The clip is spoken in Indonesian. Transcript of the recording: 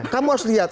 kamu harus lihat